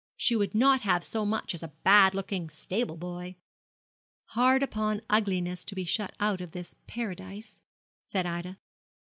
She would not have so much as a bad looking stable boy.' 'Hard upon ugliness to be shut out of this paradise,' said Ida.